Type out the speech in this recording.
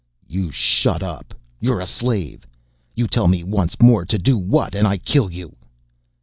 "You shut up. You're a slave. You tell me once more to do what and I kill you."